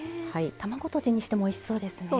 卵とじにしてもおいしそうですね。